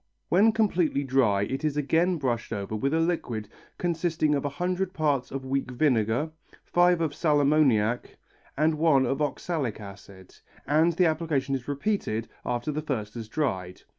When completely dry it is again brushed over with a liquid consisting of one hundred parts of weak vinegar, five of sal ammoniac and one of oxalic acid, and the application is repeated after the first has dried.